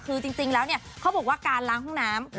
คือจริงแล้วเนี่ยเขาบอกว่าการล้างห้องน้ำ